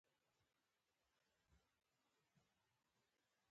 ایا زه باید غل شم؟